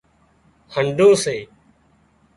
هنڍُون سي